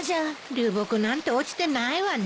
流木なんて落ちてないわね。